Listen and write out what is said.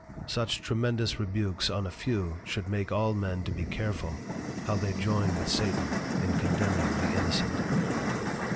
Such tremendous Rebukes on a few, should make all men to be careful how they joyn with Satan in Condemning the Innocent.